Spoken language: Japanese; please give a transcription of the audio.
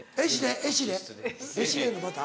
エシレのバター？